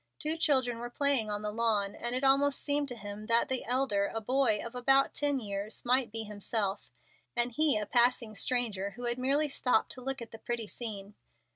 Two children were playing on the lawn, and it almost seemed to him that the elder, a boy of about ten years, might be himself, and he a passing stranger, who had merely stopped to look at the pretty scene.